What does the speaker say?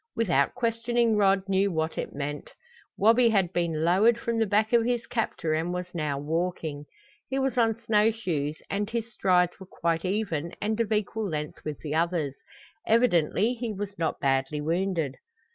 Without questioning Rod knew what it meant. Wabi had been lowered from the back of his captor and was now walking. He was on snow shoes and his strides were quite even and of equal length with the others. Evidently he was not badly wounded.